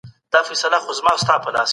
ایا صادرات د ښه کیفیت له امله زیاتیږي؟